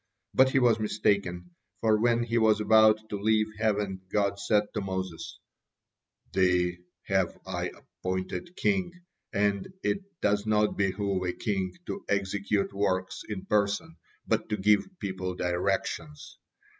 But he was mistaken, for when he was about to leave heaven, God said to Moses: "Thee have I appointed king, and it does not behoove a king to execute works in person, but to give people directions.